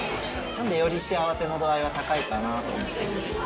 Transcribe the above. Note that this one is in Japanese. なんで、より幸せの度合いが高いかなと思っています。